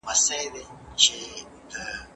زه به سبا درسونه ولوستم،